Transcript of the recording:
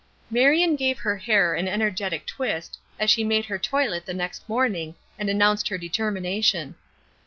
Marion gave her hair an energetic twist as she made her toilet the next morning, and announced her determination.